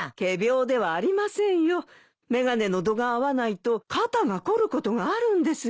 眼鏡の度が合わないと肩が凝ることがあるんですよ。